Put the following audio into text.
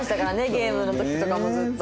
ゲームの時とかもずっと。